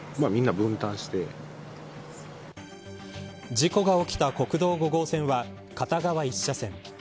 事故が起きた国道５号線は片側一車線。